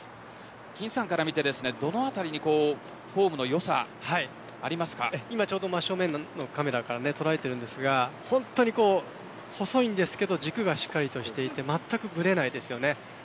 金さんから見て、どの辺りに今ちょうど真正面のカメラが捉えていますが本当に細いですが軸がしっかりとしていてまったくぶれないです。